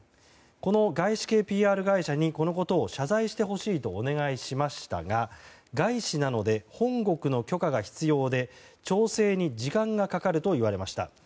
この外資系ＰＲ会社にこのことを謝罪してほしいとお願いしましたが外資なので本国の許可が必要で調整に時間がかかると言われました。